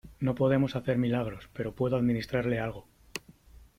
no podemos hacer milagros , pero puedo administrarle algo .